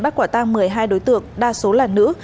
bắt quả tang một mươi hai đối tượng đa số là nữ